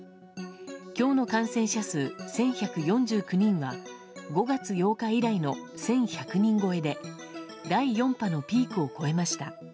今日の感染者数１１４９人は５月８日以来の１１００人超えで第４波のピークを超えました。